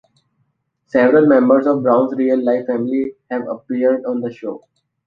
Several members of Brown's real-life family have appeared on the show.